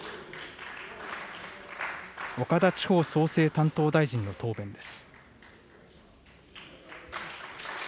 岡田地方創生担当大臣の答弁です。